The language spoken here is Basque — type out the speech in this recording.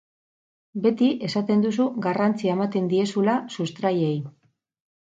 Beti esaten duzu garrantzia ematen diezula sustraiei.